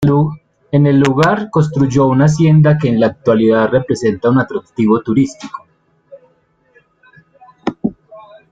En el lugar construyó una hacienda que en la actualidad representa un atractivo turístico.